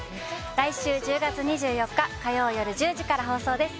来週１０月２４日火曜よる１０時から放送です